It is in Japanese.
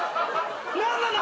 何なの？